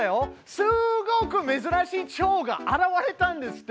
すっごくめずらしいチョウが現れたんですって？